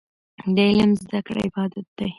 د علم زده کړه عبادت دی.